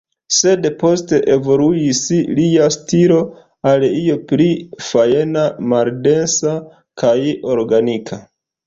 Sed poste, evoluis lia stilo, al io pli fajna, maldensa, kaj organika.